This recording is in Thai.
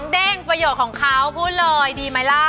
เด้งประโยชน์ของเขาพูดเลยดีไหมล่ะ